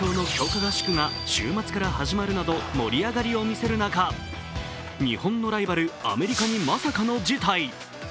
合宿が週末から始まるなど盛り上がりを見せる中、日本のライバル、アメリカにまさかの事態。